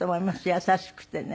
優しくてね。